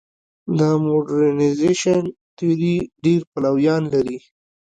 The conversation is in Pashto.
د موډرنیزېشن تیوري ډېر پلویان لري.